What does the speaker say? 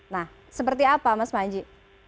nah seperti apa mas maji